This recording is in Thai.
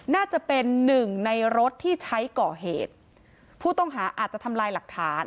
น่าจะเป็นหนึ่งในรถที่ใช้ก่อเหตุผู้ต้องหาอาจจะทำลายหลักฐาน